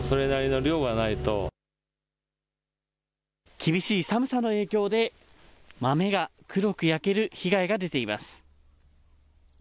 厳しい寒さの影響で、豆が黒く焼ける被害が出ています。